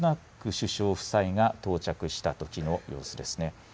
首相夫妻が到着したときの様子ですね。